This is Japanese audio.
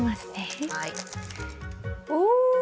お！